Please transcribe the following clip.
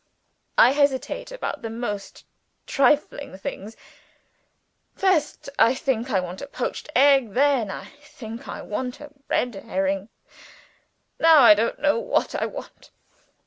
I hesitate about the most trifling things. First, I think I want a poached egg then, I think I want a red herring now I don't know what I want.